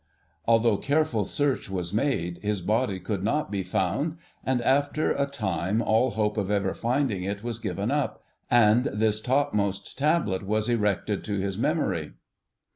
Although careful search was made, his body could not be found, and after a time all hope of ever finding it was given up, and this topmost tablet was erected to his memory.